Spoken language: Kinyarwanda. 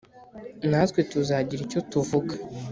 na twe tuzagira icyo tuvuga,